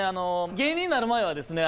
芸人になる前はですね